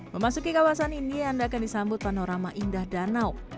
memasuki kawasan ini anda akan disambut panorama indah danau